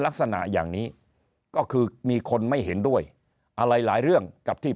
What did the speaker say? ลักษณะอย่างนี้ก็คือมีคนไม่เห็นด้วยอะไรหลายเรื่องกับที่